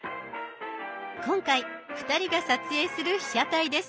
今回２人が撮影する被写体です。